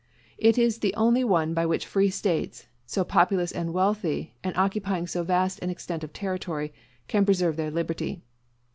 It is the only one by which free States, so populous and wealthy, and occupying so vast an extent of territory, can preserve their liberty.